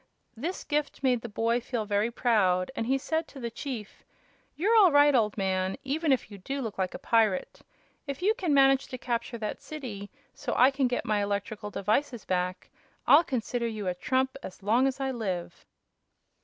This gift made the boy feel very proud, and he said to the chief: "You're all right, old man, even if you do look like a pirate. If you can manage to capture that city, so I can get my electrical devices back, I'll consider you a trump as long as I live."